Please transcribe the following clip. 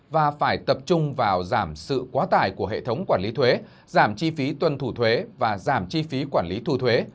và phải tập trung vào giảm sự quá tải của hệ thống quản lý thuế giảm chi phí tuân thủ thuế và giảm chi phí quản lý thu thuế